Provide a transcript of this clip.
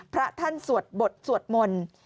พระท่านสวดบทสวดมนต์